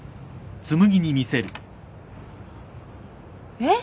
えっ！？